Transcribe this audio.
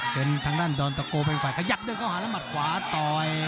เป็นทางด้านดอนตะโกเป็นฝ่ายขยับเดินเข้าหาแล้วหมัดขวาต่อย